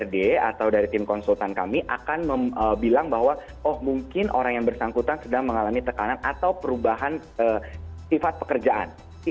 d atau dari tim konsultan kami akan bilang bahwa oh mungkin orang yang bersangkutan sedang mengalami tekanan atau perubahan sifat pekerjaan